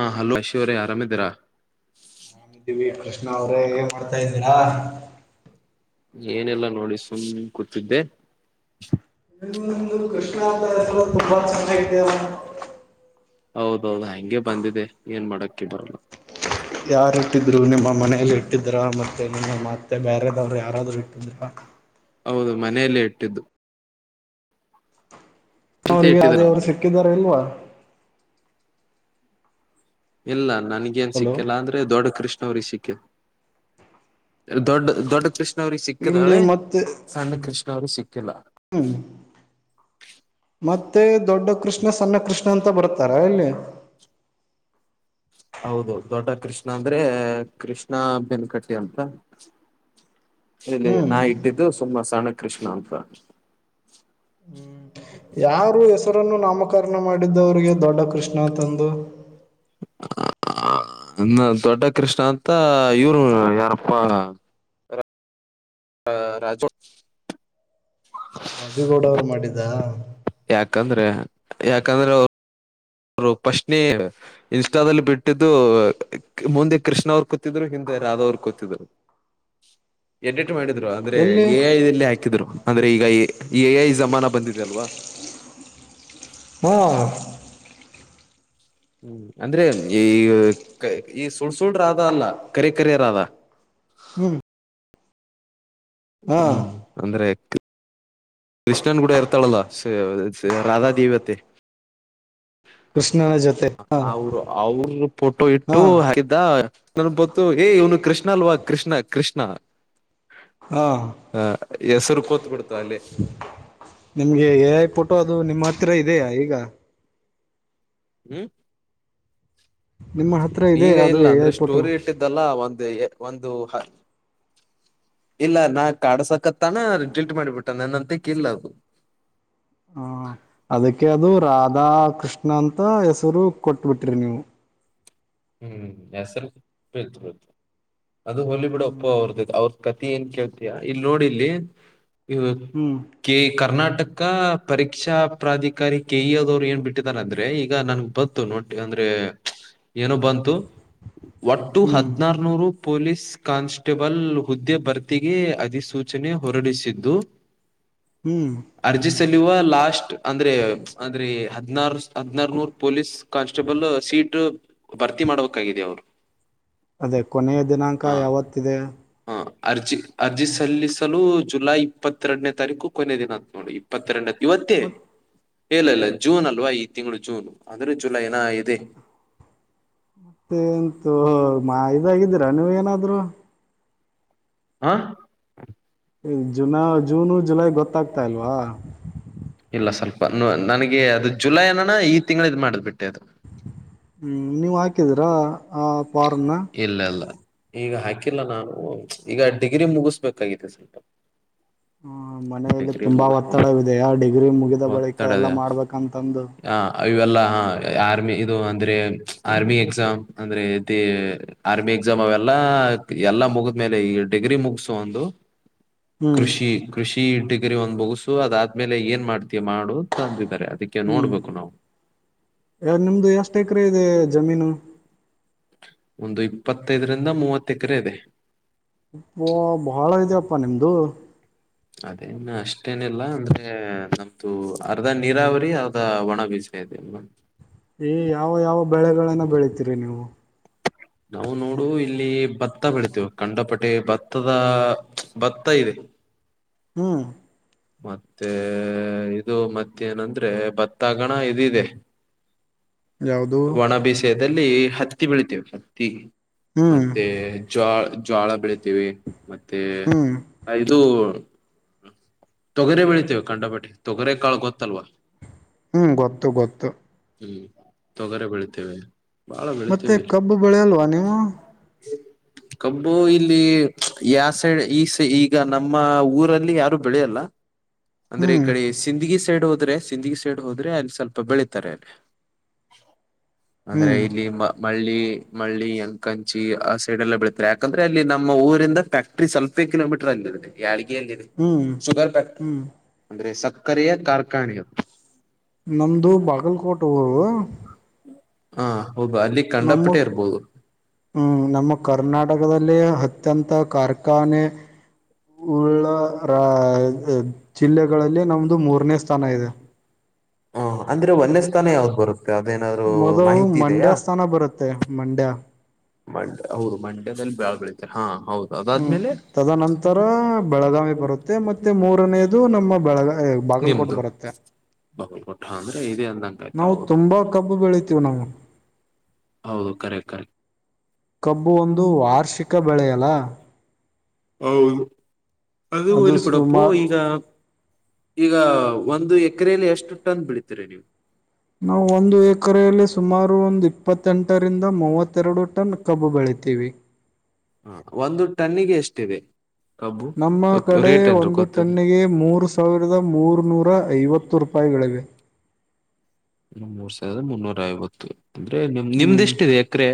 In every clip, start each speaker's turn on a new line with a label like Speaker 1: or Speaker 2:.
Speaker 1: ಹಾಂ ಹಲೋ ಅಶ್ವರ್ಯ ಆರಾಮ ಇದ್ದೀರಾ
Speaker 2: ಆರಾಮಿದ್ದೀವಿ ಕೃಷ್ಣ ಅವ್ರೇ ಏನ್ ಮಾಡ್ತಾ ಇದಂದಿರಾ
Speaker 1: ಏನೆಲ್ಲಾ ನೋಡಿ ಸುಮ್ ಕೂತಿದ್ದೆ
Speaker 2: ಇನ್ನೊಂದು ಕೃಷ್ಣ ಅಂತ ಹೆಸರು ತುಂಬಾ ಚೆನ್ನಾಗಿದಲ್ಲ
Speaker 1: ಹೌದೌದು ಹಗೆ ಬಂದಿದೆ ಏನ್ ಮಾಡಕ್ಕೆ ಬರಲ್ಲ
Speaker 2: ಯಾರ್ ಇಟ್ಟಿದ್ರು ನಿಮ್ಮ ಮನೇೆಯಲ್ಲಿ ಇಟ್ಟಿದ್ರ ಮತ್ತೆ ನಿಮ್ಮ ಮತ್ತೆ ಬೇರೆದವ್ರು ಯಾರ [unintelligible]
Speaker 1: ಹೌದು ಮನೆಯಲ್ಲೇ ಇಟ್ಟಿದ್ದು ಅಂತ
Speaker 2: ಅವ್ರಿಗೆ
Speaker 1: ಇಟ್ಟಿದ್ದ ನಮ್ಮ
Speaker 2: ಅದೇವ್ರು
Speaker 1: ಮನೇಲಿ
Speaker 2: ಸಿಕ್ಕಿದಾರ ಇಲ್ವಾ
Speaker 1: ಇಲ್ಲ ನನ್ಗೇನ್
Speaker 2: ಹಲೋ
Speaker 1: ಸಿಕ್ಕಲ್ಲ ಅಂದ್ರೆ ದೊಡ್ಡ ಕೃಷ್ಣ ಅವ್ರಿಗೆ ಸಿಕ್ಕಲ್ ದೊಡ್ಡ ದೊಡ್ಡ ಕೃಷ್ಣ ಅವ್ರಿಗೆ
Speaker 2: ಇಲ್ಲಿ
Speaker 1: ಸಿಕ್ಕಿದಾಳೆ
Speaker 2: ಮತ್ತೆ
Speaker 1: ಸಣ್ಣ ಕೃಷ್ಣ ಅವ್ರಿಗೆ ಸಿಕ್ಕ ಸಿಕ್ಕಿಲ್ಲ
Speaker 2: ಹ್ಮ್ ಮತ್ತೆ ದೊಡ್ಡ ಕೃಷ್ಣ ಸಣ್ಣ ಕೃಷ್ಣ ಅಂತ ಬರ್ತಾರ ಎಲ್ಲಿ.
Speaker 1: ಹೌದು ದೊಡ್ಡ ಕೃಷ್ಣ ಅಂದ್ರೆ ಕೃಷ್ಣ ಬೆನ್ಕಟ್ಟೆ ಅಂತ. ಇಲ್ಲಿ
Speaker 2: ಹ್ಮ್
Speaker 1: ನಾ ಇಟ್ಟಿದ್ದು ಸುಮ್ಮ ಸಣ್ಣ ಕೃಷ್ಣ ಅಂತ.
Speaker 2: ಹ್ಮ್ ಯಾರು ಹೆಸರನ್ನು ನಾಮ. ನಾಮಕರಣ ಮಾಡಿದವರಿಗೆ ದೊಡ್ಡ ಕೃಷ್ಣ ಅಂತ ಅಂದು
Speaker 1: ಆ [unintelligible] ನ ದೊಡ್ಡ ಕೃಷ್ಣ ಅಂತ ಇವ್ರು ಯಾರಪ್ಪ ಅ ರಾಜೋ
Speaker 2: ರಾಜುಗೌಡ ಅವ್ರು ಮಾಡಿದ್ದಾ
Speaker 1: ಯಾಕಂದ್ರೆ ಯಾಕಂದ್ರೆ ಅವ್ರ ಅವರು ಪಶ್ನೇ ಇನ್ಸ್ಟಾದಲ್ಲಿ ಬಿಟ್ಟಿದ್ದು ಅಅ ಮುಂದೆ ಕೃಷ್ಣ ಅವರು ಕು ಕೂತಿದ್ರ ಹಿಂದೆ ರಾಧಾ ಅವ್ರು ಕೂತಿದ್ರು ಎಡಿಟ್ ಮಾಡಿದ್ರು ಅಂದ್ರೆ
Speaker 2: ಎಲ್ಲಿ
Speaker 1: ಎ ಐ ದಲ್ಲಿ ಹಾಕಿದ್ರು ಅಂದ್ರೆ ಈಗ ಎ-ಎ ಐ ಜಮಾನ ಬಂದಿದೆ ಅಲ್ವಾ [inaudible]
Speaker 2: [unintelligible]
Speaker 1: ಹ್ಮ್ ಅಂದ್ರೆ ಎವ ಕ್ಕ್ಕ ಈ ಸುಳ್ ಸುಳ್ ರಾದಾ ಅಲ್ಲ ಕರೆ ಕರೆ ರಾದಾ.
Speaker 2: ಹ್ಮ್ ಹಾ
Speaker 1: ಹ್ಮ್ ಅಂದ್ರೆ ಕೃ ಕೃಷ್ಣನ್ ಗೂಡ ಇರ್ತಾಳಲ್ಲ ಸೆ-ಶೇ ರಾಧಾ ದೇವತೆ.
Speaker 2: ಕೃಷ್ಣ ಜ
Speaker 1: ಅವ್ರ ಅವ್ರ ಫೋಟೋ ಇಟ್ಟು
Speaker 2: ಹಾ
Speaker 1: ಹಾಕಿದ್ದ ನನ್ಗೊತ್ತು ಏ ಇವ್ನು ಕೃಷ್ಣ ಅಲ್ವಾ. [unintelligible] ಕೃಷ್ಣ ಕೃಷ್ಣ
Speaker 2: ಹಾ
Speaker 1: ಹ ಹೆಸ್ರ ಕೂತ್ ಬಿಡ್ತ ಅಲ್ಲೇ.
Speaker 2: ನಿಮ್ಗೆ ಎ ಐ ಪೊಟೊ ಅದು ನಿಮ್ಮ ಹತ್ರ ಇದೆಯಾ ಈಗ.
Speaker 1: ಹ್ಮ್
Speaker 2: ನಿಮ್ಮ ಹತ್ರ ಇದೆ
Speaker 1: ಈಗ
Speaker 2: ಅದು
Speaker 1: ಇಲ್ಲ
Speaker 2: ಎ
Speaker 1: ಅಂದ್ರೆ
Speaker 2: ಐ ಫೋಟೋ
Speaker 1: ಸ್ಟೋರಿ ಇಟ್ಟಿದ್ದಲ್ಲ ಒಂದು ಎ ಒಂದು ಹ. ಇಲ್ಲ ನಾ ಕಾಡಸಕತ್ತಾನ ಡಿಲ್ಟ್ ಮಾಡಬಿಟ್ಟನ್ ನನ್ನಂತಕಿಲ್ಲ ಅದು.
Speaker 2: ಹ್ಮ ಅದಕ್ಕೆ ಅದು ರಾಧಾ ಕೃಷ್ ನಂತ ಹೆಸರು ಕೊಟ್ಬಿಟ್ರಿ ನೀವು.
Speaker 1: ಹ್ಮ ಹೆಸ್ರ ಬಿತ್ತು ಬಿತ್ತು ಅದು ಹೊಲಿ ಬಿಡಪ್ಪ ಅವ್ರದ ಅವ್ರದ ಕತ್ ತಿ ಏನ್ ಕೇಳ್ತಿಯ ಇಲ್ಲಿ ನೋಡಿಲ್ಲಿ ಇವತ್
Speaker 2: ಹ್ಮ್
Speaker 1: ಕೆ ಕರ್ನಾಟ್ ಟಕ ಪರೀಕ್ಷಾ ಪ್ರಾಧಿಕಾರಿ ಕೆ ಇ ಎ ದವ್ರು ಏನ್ ಬಿಟ್ಟಿದಾರ ಅಂದ್ರೆ ಈಗ ನನ್ಗ ಬತ್ತು ನೋಟ್ ಅಂದ್ರೆ ಎ ಪ್ಚ್ ಏನೋ ಬಂತು ಒಟ್ಟು
Speaker 2: ಹ್ಮ್
Speaker 1: ಹದ್ನಾರನೂರು. ಪೊಲೀಸ್ ಕಾನ್ಸ್ಟೇಬಲ್ ಹುದ್ದೆ ಭರ್ತಿಗೆ ಅಧಿಸೂಚನೆ ಹೊರಡಿಸಿದ್ದು ಪೂ
Speaker 2: ಹ್ಮ್
Speaker 1: ಅರ್ಜಿ ಸಲ್ಲಿವ ಲಾಸ್ಟ್ ಅಂದ್ರೆ ಪ್ಚ್ ಅಂದ್ರೆ ಹದ್ನಾರು ಸ್ ಹದ್ನಾರನೂರ್ ಪೊಲೀಸ್ ಕಾನ್ಸ್ಟೇಬಲ್ ಸೀಟ್ ಭರ್ತಿ ಮಾಡಬೇಕಾಗಿದೆ ಅವ್ರು.
Speaker 2: ಅದೇ ಕೊನೆಯ ದಿನಾಂಕ ಯಾವತ್ತಿದೆ.
Speaker 1: ಹಾ ಅರ್ಜಿ ಅರ್ಜಿ ಸಲ್ಲಿಸಲು ಜುಲೈ ಇಪ್ಪತ್ತೆರಡನೇ ತಾರೀಕು ಕೊನೆ ದಿನ ಅಂತ ನೋಡಿ ಇಪ್ಪತ್ತೆರಡನೇ ಇವತ್ತೇ ಎ ಇಲ್ಲ ಇಲ್ಲ್ ಜೂನ್ ಅಲ್ವಾ ಈ ತಿಂಗಳು ಜೂನ್ ಆದ್ರೆ ಜೂ ನ [unintelligible] ಹಿನಾ ಇದೆ.
Speaker 2: ತ್ತೆ ಎಂತೂ ಮಾ ಇದಾಗಿದ್ದೀರಾ ನೀವ ಏನಾದ್ರು.
Speaker 1: ಹ್ಹಾ
Speaker 2: ಎ ಜುನಾ ಜೂನು ಜುಲೈ ಗೊತ್ತಾಗ್ತಾ ಇಲ್ವಾ.
Speaker 1: ಇಲ್ಲ ಸ್ವಲ್ಪ ನು ನನಗೆ ಅದು ಜುಲೈ ಅನಾನ ಈ ತಿಂಗಳದ್ ಮಾಡ್ದ್ ಬಿಟ್ಟೆ ಅದು.
Speaker 2: ಹ್ಮ್ ನೀವ್ ಹಾಕಿದೀರಾ ಆ. ಫಾರ್ಮ್ನ
Speaker 1: ಇಲ್ಲ ಇಲ್ಲ ಈಗ ಹಾಕಿಲ್ಲ ನಾನೂ ಪ್ಚ್ ಈಗ ಡಿಗ್ರಿ ಮುಗಿಸ್ಬೇಕಾಗಿದೆ ಸ್ವಲ್ಪ.
Speaker 2: ಹ್ಮ ಮನೆಯಲ್ಲಿ
Speaker 1: ಡಿಗ್ರಿ
Speaker 2: ತುಂಬಾ
Speaker 1: ಮುಗಿಸ್ಬೇಕು
Speaker 2: ಒತ್ತಡವಿದೆಯಾ ಆ ಡಿಗ್ರಿ ಮುಗಿದ ಬಳಿಕ ಎಲ್ಲಾ ಮಾಡ್ಬೇಕಂತಂದು.
Speaker 1: ಅಇವೆಲ್ಲ ಆ [unintelligible] ಆರ್ಮಿ ಇದು ಅಂದ್ರೆ ಪ್ಚ್ ಆರ್ಮಿ ಎಕ್ಸಾಮ್ ಅಂದ್ರೆ ದೆ ಆರ್ಮಿ ಎಕ್ಸಾಮ್ ಅವೆಲ್ಲಾ ಆ [unintelligible] ಎಲ್ಲಾ ಮುಗಿದ್ಮೇಲೆ ಈ ಡಿಗ್ರಿ ಮುಗ್ಸು ಒಂದು.
Speaker 2: ಹ್ಮ್
Speaker 1: ಕೃಷಿ ಕೃಷಿ ಇಟ್ಟಗರಿ ಒಂದ್ ಮುಗುಸು ಅದಾದ್ಮೇಲೆ ಏನ್ ಮಾಡ್ತೀಯ ಮಾಡು [unintelligible] ತಾರೆ ಅದಕ್ಕೆ ನೋಡ್ಬೇಕು ನಾವು.
Speaker 2: ಯ ನಿಮ್ದ ಎಷ್ಟ ಎಕರೆ ಇದೆ ಜಮೀನು.
Speaker 1: ಒಂದು ಇಪ್ಪತ್ತೈದರಿಂದ ಮೂವತ್ತ ಎಕ್ರೆ ಇದೆ.
Speaker 2: ಯಪ್ಪೋ ಬಾಳ ಇದೆಯಪ್ಪಾ ನಿಮ್ದು.
Speaker 1: ಅದೇನ್ ಅಷ್ಟೇನಿಲ್ಲ ಅಂದ್ರೆ ನಮ್ದು ಅರ್ಧ ನೀರಾವರಿ ಅರ್ಧ ಒಣ ಬೀಸ್ ಎ ಅದೇ [unintelligible]
Speaker 2: ಏ ಯಾವ ಯಾವ ಬೆಳೆಗಳನ್ನ ಬೆಳಿತೀರಿ ನೀವು..
Speaker 1: ನಾವು ನೋಡು ಇಲ್ಲಿ ಭತ್ತ ಬೆಳಿತೇವಿ ಕಂಡಪಟೆ ಭತ್ತದ ಪ್ಚ್ ಭತ್ತ ಇದೆ.. ಹ.
Speaker 2: ಹ್ಮ್.
Speaker 1: ಮತ್ತೆ ಇದು ಮತ್ತೆನಂದ್ರೆ ಭತ್ತ ಆಗಣ ಇದದೆ.
Speaker 2: ಯಾವುದು
Speaker 1: ಒಣ ಬೆಸೆದಲ್ಲಿ ಹತ್ತಿ ಬೆಳಿತಿವಿ ಹತ್ತಿ..
Speaker 2: ಹ್ಮ್
Speaker 1: ಮತ್ತೆ ಜ್ವಾಳ್ ಜ್ವಾಳಾ ಬೆಳತೀವಿ. ಮತ್ತೆ
Speaker 2: ಹ್ಮ್
Speaker 1: ಅ ಇದು. ತೊಗರಿ ಬೆಳಿತಿವಿ ಕಂಡಪಟ್ಟಿ ತೊಗರೆ ಕಾಳ ಗೊತ್ತಲ್ವಾ.
Speaker 2: ಹ್ಮ್ ಗೊತ್ತು ಗೊತ್ತು.
Speaker 1: ಹ್ಮ್ ತೊಗರೆ ಬೆಳತೇವೆ.
Speaker 2: ಮತ್ತೆ ಕಬ್ಬು ಬೆಳೆ ಅಲ್ವಾ ನೀವು.
Speaker 1: ಕಬ್ಬು ಇಲ್ಲಿ ಯ ಸೈಡ್ ಈ ಈಗ ನಮ್ಮ ಊರಲ್ಲಿ. ಲ್ಲಿ ಯಾರು ಬೆಳೆಯಲ್ಲ ಅಂದ್ರೆ ಈ
Speaker 2: ಹ್ಮ್
Speaker 1: ಕಡೆ ಸಿಂದಗಿ ಸೈಡ್ ಹೋದ್ರೆ. ತಿಂದಗ ಸೈಡ್ ಹೋದ್ರೆ ಅಲ್ಲಿ ಸ್ವಲ್ಪ ಬೆಳೀತಾರೆ ಅಲ್ಲಿ. ಅಂದ್ರೆ
Speaker 2: ಹ್ಮ್
Speaker 1: ಇಲ್ಲಿ ಮ ಮಳ್ಳಿ. ಮಳ್ಳಿ ಅಂಕಂಚಿ ಆ ಸೈಡೆ ಎಲ್ಲ ಬೆಳೀತಾರೆ ಯಾಕಂದ್ರೆ ಅಲ್ಲಿ ನಮ್ಮ ಊರಿಂದ ಫ್ಯಾಕ್ಟ್ರಿ ಸ್ವಲ್ಪ ಇ ಕಿಲೋಮೀಟರ್ ಅಲ್ಲಿ ಯಡ್ಗೆ ಅಲ್ಲಿದೆ
Speaker 2: ಹ್ಮ್
Speaker 1: ಸುಗರ್ ಫ್ಯಾಕ್ಟ್ರ
Speaker 2: ಹ್ಮ್
Speaker 1: ಅಂದ್ರೆ ಕರೆಯ ಕಾರ್ಕಾಣಿಕ
Speaker 2: ನಮ್ದು ಬಾಗಲಕೋಟೆ ಊರು
Speaker 1: ಹ
Speaker 2: ನಮ್ಮ ಹ್ಮ್ ನಮ್ಮ ಕರ್ನಾಟಕದಲ್ಲಿ ಅತ್ಯಂತ ಕಾರ್ ಕಾನೆ ಜಿಲ್ಲೆಗಳಲ್ಲಿ ನಮ್ದು ಮೂರನೇ ಸ್ಥಾನ ಇದೆ
Speaker 1: ಹ ಹ ಅಂದ್ರೆ ಒನ್ಯ ಸ್ಥಾನ ಯಾವ್ದ ಬರುತ್ತೆ ಮ ಅದೇನಾದ್ರು
Speaker 2: ಮೊದಲು
Speaker 1: ಮಾಹಿತಿ ಇದೆಯಾ
Speaker 2: ಮಂಡ್ಯ ಸ್ಥಾನ ಬರುತ್ತೆ ಮಂಡ್ಯ
Speaker 1: ಮಂಡ್ಯ ಹೌದು ಮಂಡ್ಯದಲ್ಲಿ ಬ್ಯಾಳ್ ಬೆಳಿತಾರೆ ಹಾ ಹೌದ
Speaker 2: ಹ್ಮ್
Speaker 1: ಅದಾದ್ಮೇಲೆ
Speaker 2: ತದನಂತರ ಬೆಳಗಾವಿ ಬರುತ್ತೆ ಮತ್ತೆ ಮೂರನೇದು ನಮ್ಮ ಬೆಳಗ ಬಾಗಲಕೋಟೆ
Speaker 1: ನಿಮ್ದು
Speaker 2: ಬರುತ್ತೆ
Speaker 1: ಬಲ್ ಕೊಟ್ಟ ಅಂದ್ರೆ ಇದದೆ ಅಂದ ನಾಯ್ತ
Speaker 2: ನಾವು
Speaker 1: ಹೌದು
Speaker 2: ತುಂಬಾ ಕಬ್ಬು ಬೆಳಿತೀವಿ ನಾವು
Speaker 1: ಹೌದು ಕರೆಕ್ಟ್ ಕರೆಕ್ಟ್
Speaker 2: ಕಬ್ಬು ಒಂದು ವಾರ್ಷಿಕ ಬೆಳೆಯಲ್ಲ
Speaker 1: ಹ್ಮ ಅದು ಇಲ್ಲಿ ಕೊಡಪ್ಪು ಈಗ ಈಗ ಒಂದು ಎಕ್ರೆಯಲ್ಲಿ ಎಷ್ಟು ಟಂದ ಬಿಳಿತೀರಿ ನೀವು
Speaker 2: ನಾವು ಒಂದು ಎಕರೆಯಲ್ಲಿ ಸುಮಾರು ಒಂದು ಇಪ್ಪತ್ತೆಂಟರಿಂದ ಮೂವತ್ತು ಇತ್ತೆರಡು ಟನ್ ಕಬ್ಬು ಬೆಳಿತೀವಿ
Speaker 1: ಎಷ್ಟೇವೆ
Speaker 2: ನಮ್ಮ ಕಡೆ ಒಂದು
Speaker 1: ಗೊತ್ತದ
Speaker 2: ಟನ್ನಿಗೆ ಮೂರ್ ಸಾವಿರದ ಮೂರ್ನೂರ ಐವತ್ತು ರೂಪಾಯಿಗಳ ಹ
Speaker 1: ಇ ಮೂರ್ ಸಾವಿರದ ಮುನ್ನೂರ ಐವತ್ತು
Speaker 2: ಹ್ಮ್
Speaker 1: ನಿಮ್ದಿಷ್ಟ ಇದೆ ಎಕರೆ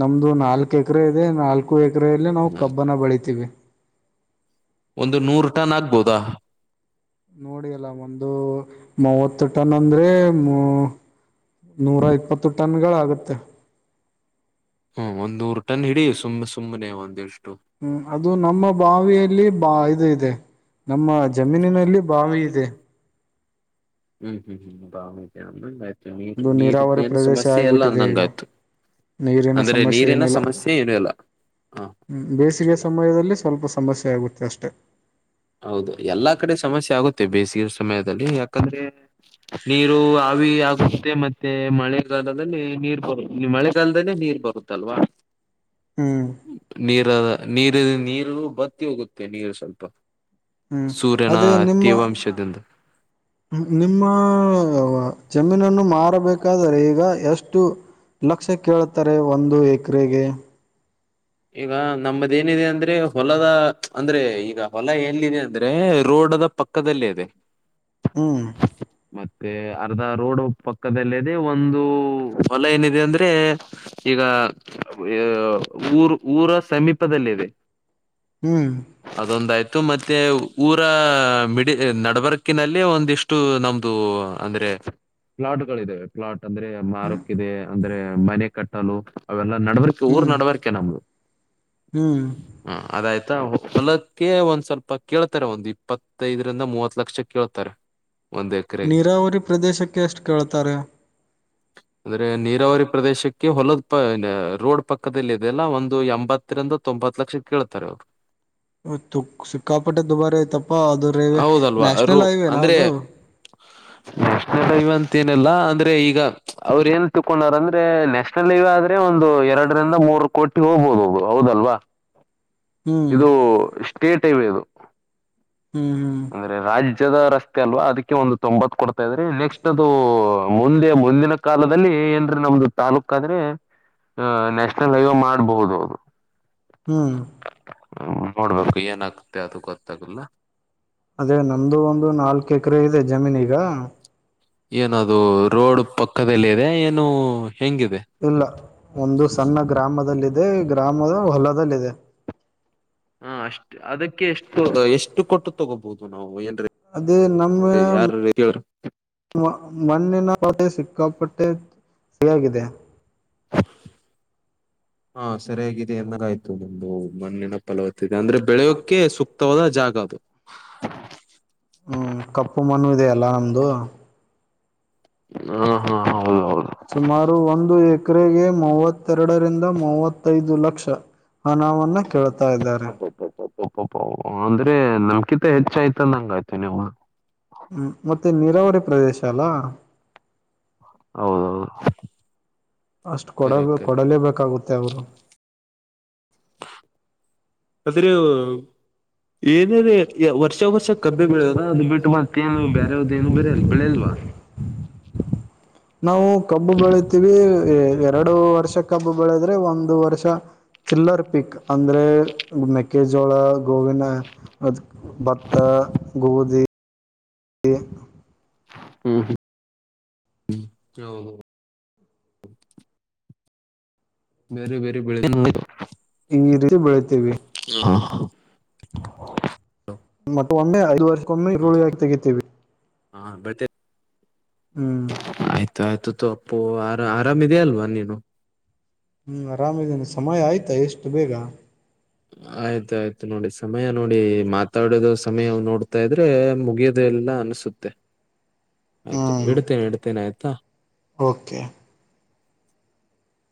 Speaker 2: ನಮ್ದು ನಾಲ್ಕು ಎಕರೆ ಇದೆ ನಾಲ್ಕು ಎಕರೆೆಯಲ್ಲ ನಾವು ಕಬ್ಬನ ಬೆಳಿತೀವಿ
Speaker 1: ಒಂದು ನೂರು ಟನ್ ಆಗ್ಬೋದಾ
Speaker 2: ನೋಡಿ ಅಲ್ಲ ಒಂದು ಮೂವತ್ತು ಟನ್ ಅಂದ್ರೆ ಹ ನೂರ ಇಪ್ಪತ್ತು ಟನ್ಗಳಾಗುತ್ತೆ
Speaker 1: ಹ್ಮ್ ಒಂದ್ರು ಟನ್ ಹಿಡಿ ಸುಮ್ಮ್ ಸುಮ್ಮ್ ಒಂದ
Speaker 2: ಹ್ಮ್ ಅದು ನಮ್ಮ ಬಾವಿಯಲ್ಲಿ ಬಾ ಇದು ಇದೆ ನಮ್ಮ ಜಮೀನಿನಲ್ಲಿ ಬಾವಿ ಇದೆ
Speaker 1: ಹ್ಮ್ ಹ್ಮ್ ಹ್ಮ್ ಬಾವಿತ
Speaker 2: ಅದು ನೀರಾವರಿ ಪ್ರದೇಶ ಆಗಿಬಿಟ್ಟಿದೆ
Speaker 1: ಅಂದಂಗ
Speaker 2: ಈಗ
Speaker 1: ಆಯ್ತು
Speaker 2: ನೀರಿನ
Speaker 1: ಅಂದ್ರೆ
Speaker 2: ಸಮಸ್ಯೆ
Speaker 1: ನೀರಿನ
Speaker 2: ಏನುೂ ಇಲ್ಲ
Speaker 1: ಸಮಸ್ಯೆ ಏನು ಇಲ್ಲ ಹ
Speaker 2: ಬೇಸಿಗೆ ಸಮಯದಲ್ಲಿ ಸ್ವಲ್ಪ ಸಮಸ್ಯೆ ಆಗುತ್ತೆ ಅಷ್ಟೆ
Speaker 1: ಹೌದು ಎಲ್ಲಾ ಕಡೆ ಸಮಸ್ಯೆ ಆಗುತ್ತೆ ಬೇಸಿಗೆ ಸಮಯದಲ್ಲಿ ಯಾಕಂದ್ರೆ ನೀರು ಹವಿಆಗುತ್ತೆ ಮತ್ತೆ ಮಳೆಗಾಲದಲ್ಲಿ ನೀರ್ ಬರು ಮಳೆಗಾಲದಲ್ಲೇ ನೀರ್ ಬರುತ್ತಲ್ವಾ
Speaker 2: ಹ್ಮ್
Speaker 1: ನೀರ ನೀರು ನೀರು ಬತ್ತಿ ಹೋಗುತ್ತೆ ನೀರು ಸ್ವಲ್ಪ
Speaker 2: ಹ್ಮ್
Speaker 1: ಸೂರ್ಯನ
Speaker 2: ಅದೇ ನಿಮ್ಮ
Speaker 1: ತೇವಾಂಶದಿಂದ
Speaker 2: ನಿಮ್ಮ ಜಮೀನನ್ನು ಮಾರಬೇಕಾದರೆ ಈಗ ಎಷ್ಟು ಲಕ್ಷ ಕೇೇಳುತ್ತಾರೆ ಒಂದು ಎಕರೆಗೆ
Speaker 1: ಈಗ ನಮ್ಮದ ಏನಿದೆ ಅಂದ್ರೆ ಹೊಲದ ಅಂದ್ರೆ ಈಗ ಹೊಲ ಎಲ್ಲಿದೆ ಅಂದ್ರೆ ರೋಡ್ ಕೋಡದ ಪಕ್ಕದಲ್ಲೇ ಇದೆ
Speaker 2: ಹ್ಮ್
Speaker 1: ಮತ್ತೆ ಅರ್ಧ ರೋಡ್ ಪಕ್ಕದಲ್ಲದೆ ಒಂದು ಹೊಲ ಏನಿದೆ ಅಂದ್ರೆ ಈಗ ಊರು ಊರ ಸಮೀಪದಲ್ಲಿ ಇದೆ
Speaker 2: ಹ್ಮ್
Speaker 1: ಅದೊಂದಾಯ್ತು ಇ ಮತ್ತೆ ಊರ ಮಿಡಿ ನಡಬರಕಿನಲ್ಲಿ ಒಂದಿಷ್ಟು ನಮ್ದು ಅಂದ್ರೆ ಪ್ಲಾಟ್ ಗಳ ಇದಾವೆ ಪ್ಲಾಟ್ ಅಂದ್ರೆ ಮಾರುಕ್ಿದೆ ಅಂದ್ರೆ ಮನೆ ಕಟ್ಟಲು ಅವೆಲ್ಲಾ ನಡಬಕೆ ಊರ್
Speaker 2: ಹ್ಮ್
Speaker 1: ನಡ್ವರ್ಕೆ ನಮ್ದು
Speaker 2: ಹ್ಮ್
Speaker 1: ಹ ಅದಾಯ್ತಾ ಹೊಲಕ್ಕೆ ಒಂದ್ ಸ್ವಲ್ಪ ಕೇಳ್ತಾರೆ ಒಂದ್ ಇಪ್ಪತ್ತೈದರಿಂದ ಮೂವತ್ ಲಕ್ಷ ಕೇಳ್ತಾರೆ ಒಂದ್ ಎಕರೆಗೆ
Speaker 2: ನೀರಾವರಿ ಪ್ರದೇಶಕ್ಕೆ ಎಷ್ಟು ಕೇಳ್ತಾರೆ
Speaker 1: ಅಂದ್ರೆ ನೀರಾವರಿ ಪ್ರದೇಶಕ್ಕೆ ಹೊಲದ ಪ ರೋಡ್ ಪಕ್ಕದದಲ್ಲಿ ಇದೆಲ್ಲ ಒಂದು ಇದು ಎಂಬತ್ತರಿಂದ ತೊಂಬತ್ ಲಕ್ಷ ಕೇಳ್ತಾರೆ ಅವ್ರು
Speaker 2: ತ್ತುು ಸಿಕ್ಕಾಪಟ್ಟೆ ದುಬಾರಿ ಆಐ್ತಪ್ಪಾ ಅದು ರೈವೆ
Speaker 1: ಹೌದಲ್ವಾ ರು
Speaker 2: ನ್ಯಾಷನಲ್ ಹೈವೇನಾ
Speaker 1: ಅಂದ್ರೆ
Speaker 2: ಅದು
Speaker 1: ನ್ಯಾಷನಲ್ ನಲ್ಲಾ ಅಂದ್ರೆ ಈಗ ಅವ್್ರ ಏನ್ ತಕೊಂಡರ್ ಅಂದ್ರೆ ನ್ಯಾಷನಲ್ ಹೈವೇ ಆದ್ರೆ ೆ ಒಂದು ಎರಡರಿಂದ ಮೂರು ಕೋಟಿ ಹೋಗ್ಬೋದುದು ಹೌದಲ್ವಾ
Speaker 2: ಹ್ಮ್
Speaker 1: ಇದು ಸ್ಟೇಟ್ ಹೈವೇದು
Speaker 2: ಹ್ಮ್ ಹ್ಮ್
Speaker 1: ದ ರಸ್ತೆ ಅಲ್ವಾ ಅದಕ್ಕೆ ಒಂದು ತೊಂಬತ್ತು ಕೊಡ್ತಾ ಇದಾರೆ ನೆಕ್ಸ್ಟ್ ಅದು ಮುಂದೆ ಮುಂದಿನ ಕಾಲದಲ್ಲಿ ಅಂದ್ರೆ ನಮ್ದು ತಾಾಲೂಕ ಆದ್ರೆ ಅಹ ನ್ಯಾಷನಲ್ ಹೈವೇ ಮಾಡಬಹುದು ಅದು
Speaker 2: ಹ್ಮ್
Speaker 1: ಹ ನೋಡ್ಬೇಕು ಏನಾಗತ್ತೆ ಅದು ಗೊತ್ತಾಗಲ್ಲ
Speaker 2: ಅದೇ ನಮ್ದು ಒಂದು ನಾಲ್ಕು ಎಕರೆ ಇದೆ ಜಮೀನ್ ಈಗ
Speaker 1: ಏನದು ರೋಡ್ ಪಕ್ಕದಲ್ಲ ಇದೆ ಏನು ಹೆಂಗಿದೆ
Speaker 2: ಇಲ್ಲ
Speaker 1: ನಿಮ್ದು?
Speaker 2: ಒಂದು ಸಣ್ಣ ಗ್ರಾಮದಲ್ಲಿದ್ದ ಅ ಗ್ರಾಮದ ಹೊಲ್ಲದಲ್ಲಿದೆ
Speaker 1: ಹ ಅಷ್ಟ್ ಅದಕ್ಕೆ ಎಷ್ಟು ಎಷ್ಟು ಕೊಟ್ಟು ತಗೋಬಹುದು ನಾವು ಎ
Speaker 2: ಅದೇ ನಮ್ಮ ಮಣ್ಣಿನ ಪಟ್ಟೆ ಸಿಕ್ಕ ಫಟ್ಟೆ ಸಿಯಾಕೇ
Speaker 1: ಹಾ ಸರಿಯಾಗಿದೆ ಎನ್ನಾಗಾಯ್ತು ನಿಮ್ದು ಮಣ್ಣಿನ ಫಲವ ಅಂದ್ರೆ ಬೆಳೆಯೋಕೆ ಸೂಕ್ತವಾದ ಜಾಗ ಅದು
Speaker 2: ಹಞ ಕಪ್ಪು ಮಣ್ಣು ಇದೆಯಲ್ಲ ನಮ್ಮದು
Speaker 1: ಹ ಹಾ ಹಾ ಹೌದು ಹೌದು
Speaker 2: ಸುಮಾರು ಒಂದು ಎಕರೆಗೆ ಮೂವತ್ತೆರಡರಿಂದ ಮೂವತ್ತೈದು ಲಕ್ಷ ಹಣನ್ನ ಕೇಳ್ತಾ ಇದ್ದಾರೆ
Speaker 1: ಪಪ್ಪಪ್ಪ ಅಂದ್ರೆ ನಮ್ಕಿಿತ ಹೆಚ್ಚಯ್ತ ಅಂದಂಗಾಯ್ತು ನೀವು್
Speaker 2: ಹ್ಮ ಮತ್ತೆ ನೀರಾವರಿ ಪ್ರದೇಶ ಅಲ್ಲಾ
Speaker 1: ಹೌದೌದು
Speaker 2: ಅಷ್ಟು ಕೊಡ
Speaker 1: ಕರೆ ಕರೆ
Speaker 2: ಕೊಡಲೇಬೇಕಾಗುತ್ತೆ ಅವರು
Speaker 1: ಆದ್ರೆ ಏನ ವರ್ಷ ವರ್ಷ ಕಬ್ಬೆ ಬೆಳೆಯದ ಅದು ಬಿಟ್ಟು ಮತ್ತೇನು ಬೇರೆ ಏನು ಬೇರೆಯಲ್ಲ ಬೆಳೆಯಲ್ವಾ
Speaker 2: ನಾವು ಕಬ್ಬು ಬೆಳಿತೀವಿ ಎರಡು ವರ್ಷ ಕಬ್ಬು ಬೆಳೆದ್ರೆ ಒಂದು ವರ್ಷ ಚಿಲ್ಲರ್ ಪಿಕ್ ಅಂದ್ರೆ ಮೆಕ್ಕೆಜೋಳ ಗೋವಿನ ಭತ್ತ ಗೋಧಿ
Speaker 1: ಹ್ಮ್ ಹ್ಮ ಹ್ಮ ಹ ಹ ಬೇರೆ ಬೇರೆ ಬೆಳ
Speaker 2: ಹಂಗಿೀ ಬೆಳತೇವಿ ಮತ್ತೊಮ್ಮೆ ಐದ ವರ್ಷಕ್ಕೊಮ್ಮೆ ರರುಳಿಯಾಗಿಿ ತೆಗಿತೀವಿ
Speaker 1: ಹಾ ಬೆ
Speaker 2: ಹ್ಮ್
Speaker 1: ಆಯ್ತ ಆಯ್ತು ತ ಅಪ್ಪೋ ಆರ ಆರಾಮ್ಿದೆಯ ಅಲ್ವಾ ನೀನು
Speaker 2: ಹ್ಮ್ ಆರಾಮದ್ದೇನಿ ಸಮಯ ಆಯ್ತಾ ಇಷ್ಟು ಬೇಗ
Speaker 1: ಆಯ್ತಾಆಯ್ತು ನೋಡಿ ಸಮಯ ನೋಡಿ ಮಾತಾಡೋದು ಸಮಯ ನೋಡ್ತಾ ಇದ್ರೆ ಮುಗಿಯೋದೆ ಎಲ್ಲ ಅನಸುತ್ತೆ. ಆಯ್ತು
Speaker 2: ಹ್ಮ್
Speaker 1: ಇಡ್ತೇನೆ ಇಡ್ತೇನೆ ಆಯ್ತಾ
Speaker 2: ಓಕೆ